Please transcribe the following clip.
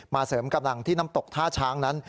เสริมกำลังที่น้ำตกท่าช้างนั้น